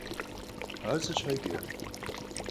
Ар сыт щхьэкӀэ?